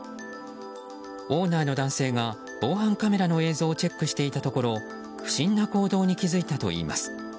オーナーの男性が防犯カメラの映像をチェックしていたところ不審な行動に気づいたといいます。